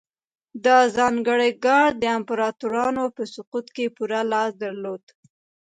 دا ځانګړی ګارډ د امپراتورانو په سقوط کې پوره لاس درلود